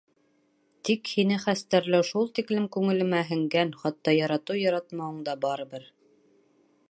Тик һине хәстәрләү шул тиклем күңелемә һеңгән, хатта яратыу-яратмауың да барыбер.